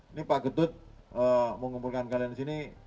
ini pak getut mengumpulkan kalian disini